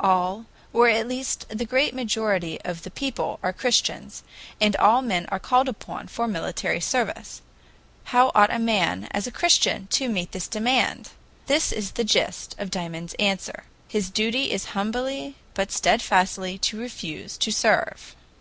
All or at least the great majority of the people are Christians, and all men are called upon for military service. How ought a man, as a Christian, to meet this demand? This is the gist of Dymond's answer: "His duty is humbly but steadfastly to refuse to serve."